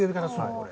これ。